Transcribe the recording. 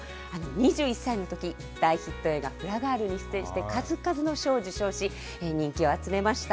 ２１歳のとき、大ヒット映画、フラガールに出演して、数々の賞を受賞し、人気を集めました。